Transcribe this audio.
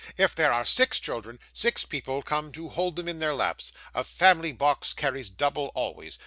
If there are six children, six people come to hold them in their laps. A family box carries double always.